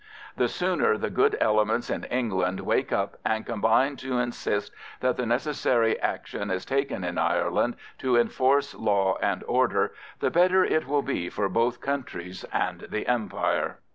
The sooner the good elements in England wake up and combine to insist that the necessary action is taken in Ireland to enforce law and order, the better it will be for both countries and the Empire.